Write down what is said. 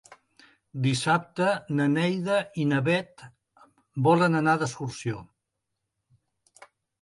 Dissabte na Neida i na Bet volen anar d'excursió.